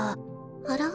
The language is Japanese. あら？